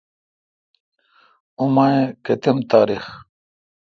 اوں ماہ ئ کتم تاریخ؟